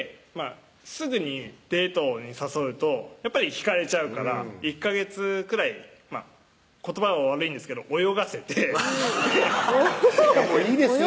すぐにデートに誘うとやっぱり引かれちゃうから１ヵ月くらい言葉は悪いんですけど泳がせてハハハいいですよ